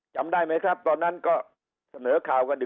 จำได้ไหมครับตอนนั้นก็เสนอข่าวกันอีก